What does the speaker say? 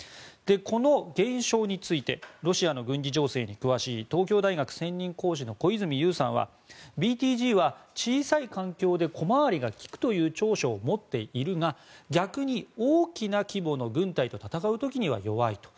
この減少についてロシアの軍事情勢に詳しい東京大学専任講師の小泉悠さんはＢＴＧは小さい環境で小回りが利くという長所を持っているが逆に大きな規模の軍隊と戦う時には弱いと。